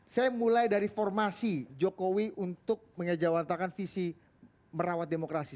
saya mulai dari formasi jokowi untuk mengejawantakan visi merawat demokrasi